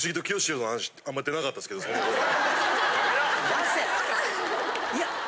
出せ。